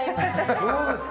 どうですか？